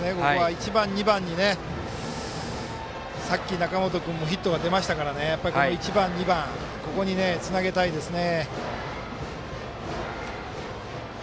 １番、２番にさっき中本君もヒットが出ましたから１番、２番ここに、つなげたいですね。